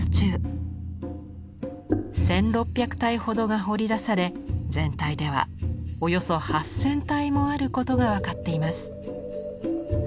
１，６００体ほどが掘り出され全体ではおよそ８，０００体もあることが分かっています。